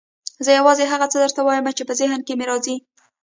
زه یوازې هغه څه درته وایم چې په ذهن کې مې راځي.